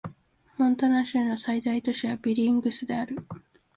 モンタナ州の最大都市はビリングスである